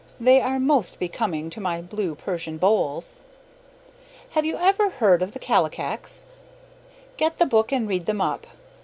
They are most becoming to my blue Persian bowls. Have you ever heard of the Kallikaks? Get the book and read them up.